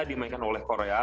dimainkan oleh korea